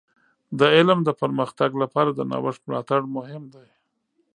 د علم د پرمختګ لپاره د نوښت ملاتړ مهم دی.